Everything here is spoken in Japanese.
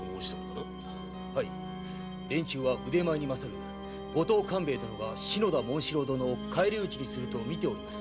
はい連中は腕前に勝る五島勘兵衛殿が篠田紋四郎殿を返り討ちにすると見ております。